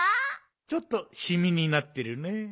ちょっとシミになってるね。